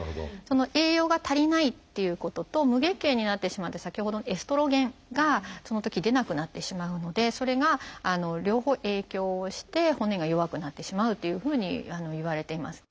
栄養が足りないっていうことと無月経になってしまって先ほどのエストロゲンがそのとき出なくなってしまうのでそれが両方影響をして骨が弱くなってしまうというふうにいわれています。